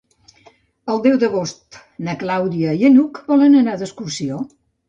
El deu d'agost na Clàudia i n'Hug volen anar d'excursió.